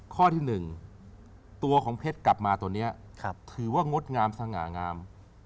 ข้อที่๑ตัวของเพชรกลับมาตัวนี้ถือว่างดงามสง่างาม